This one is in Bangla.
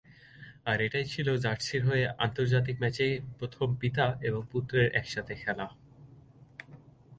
আর এটাই ছিল জার্সির হয়ে আন্তর্জাতিক ম্যাচে প্রথম পিতা এবং পুত্র একসাথে খেলা।